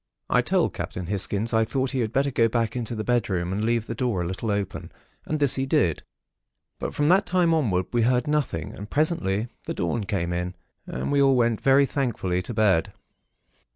"I told Captain Hisgins I thought he had better go back into the bedroom, and leave the door a little open, and this he did. But from that time onward, we heard nothing; and presently the dawn came in, and we all went very thankfully to bed.